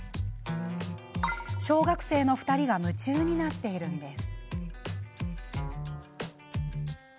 小学生の２人が夢中になっているんです。